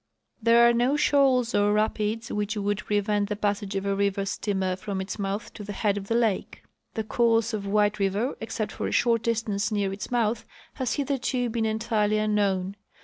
There are no shoals or rapids which would prevent the passage of a river steamer from its mouth to the head of the lake. The course of White river, except for a short distance near its mouth, has hitherto been entirely unknown.